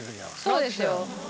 そうですよ。